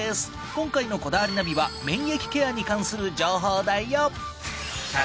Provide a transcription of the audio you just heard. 今回の『こだわりナビ』は免疫ケアに関する情報だよ。